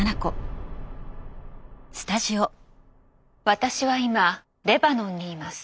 「私は今レバノンにいます」。